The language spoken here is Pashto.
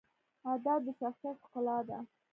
ادب د شخصیت ښکلا ده.